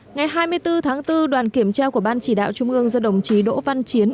ngày hai mươi bốn tháng bốn đoàn kiểm tra của ban chỉ đạo trung ương do đồng chí đỗ văn chiến